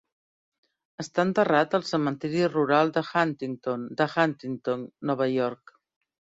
Està enterrat al cementiri rural de Huntington de Huntington, Nova York.